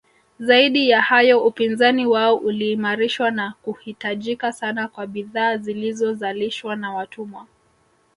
Zaidi ya hayo upinzani wao uliimarishwa na kuhitajika sana kwa bidhaa zilizozalishwa na watumwa